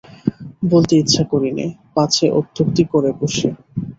বলতে ইচ্ছে করি নে, পাছে অত্যুক্তি করে বসি।